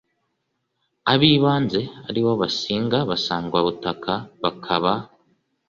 ab'ibanze ari bo basinga b'abasangwabutaka, hakaba